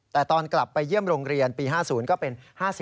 แต่ตอนกลับไปเยี่ยมโรงเรียนปี๕๐ก็เป็น๕๐